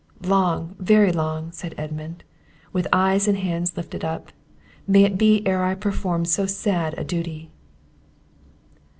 "Long, very long," said Edmund, with eyes and hands lifted up, "may it be ere I perform so sad a duty!"